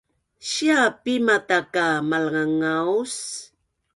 sia Pima ta ka malngangaus